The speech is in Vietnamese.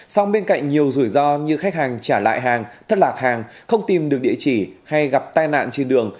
song bên cạnh nhiều rủi ro như khách hàng trả lại hàng thất lạc hàng không tìm được địa chỉ hay gặp tai nạn trên đường